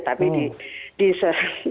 tapi di sekeliling